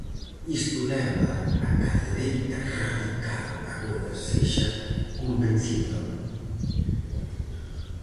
Isto leva a que a dereita radical agora sexa convencional.